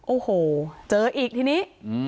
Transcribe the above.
โอ้โหเจออีกทีนี้